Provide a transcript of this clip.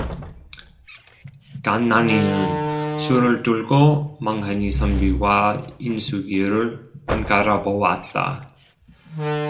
간난이는 술을 들고 멍하니 선비와 인숙이를 번갈아 보았다.